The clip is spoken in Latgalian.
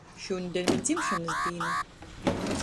Šūnedeļ maņ dzimšonys dīna.